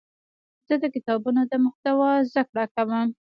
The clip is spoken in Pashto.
زه د کتابونو د محتوا زده کړه کوم.